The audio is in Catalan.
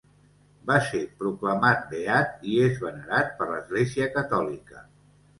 Va ser proclamat beat i és venerat per l'Església catòlica.